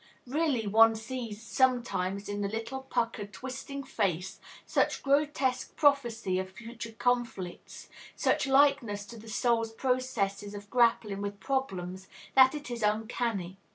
Really one sees sometimes in the little puckered, twisting face such grotesque prophecy of future conflicts, such likeness to the soul's processes of grappling with problems, that it is uncanny.